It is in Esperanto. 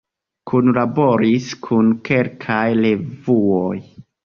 Kunlaboris kun kelkaj revuoj.